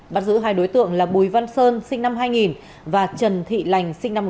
bắt giữ hai đối tượng là bùi văn sơn sinh năm hai nghìn và trần thị lành sinh năm một nghìn chín trăm tám